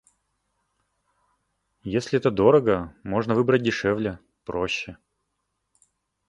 Если это дорого — можно выбрать дешевле, проще.